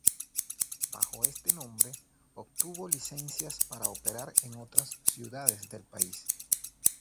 Bajo este nombre, obtuvo licencias para operar en otras ciudades del país.